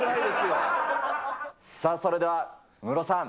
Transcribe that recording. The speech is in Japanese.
さあ、それではムロさん。